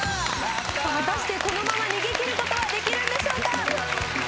果たしてこのまま逃げ切ることはできるんでしょうか？